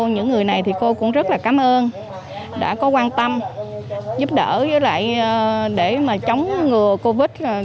những người này thì cô cũng rất là cảm ơn đã có quan tâm giúp đỡ với lại để mà chống ngừa covid